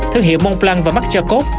thương hiệu mont blanc và max chocot